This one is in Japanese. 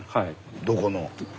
どこの？